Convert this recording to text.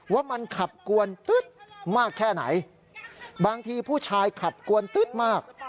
ว่ามันขับกวนตึ๊ดมากแค่ไหนบางทีผู้ชายขับกวนตึ๊ดมาก